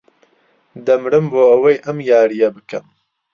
دەمرم بۆ ئەوەی ئەم یارییە بکەم.